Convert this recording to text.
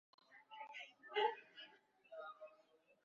শঙ্খ-ঘণ্টারোলে তটভূমি মুখরিত হওয়ায় ভাগীরথী যেন ঢল ঢল ভাবে নৃত্য করিতে লাগিল।